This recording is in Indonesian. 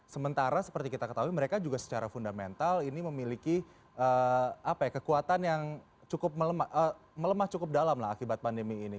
sementara seperti kita ketahui mereka juga secara fundamental ini memiliki kekuatan yang cukup melemah cukup dalam akibat pandemi ini